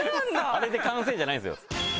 あれで完成じゃないんですよ。